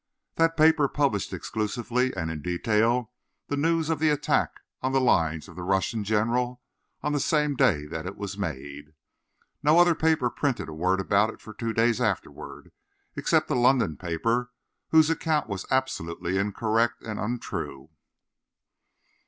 That paper published exclusively and in detail the news of the attack on the lines of the Russian General on the same day that it was made. No other paper printed a word about it for two days afterward, except a London paper, whose account was absolutely incorrect and untrue.